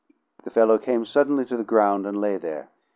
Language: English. The fellow came suddenly to the ground, and lay there.